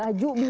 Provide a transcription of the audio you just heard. saya mau beli